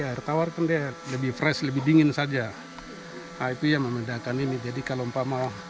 air tawar kembali lebih fresh lebih dingin saja itu yang memindahkan ini jadi kalau empat mau